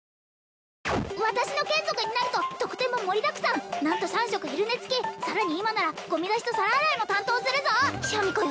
私の眷属になると特典も盛りだくさん何と三食昼寝付きさらに今ならゴミ出しと皿洗いも担当するぞシャミ子よ